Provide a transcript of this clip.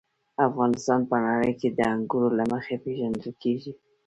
افغانستان په نړۍ کې د انګورو له مخې پېژندل کېږي.